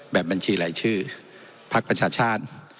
แบบบัญชีรายชื่อพักประชาชาติ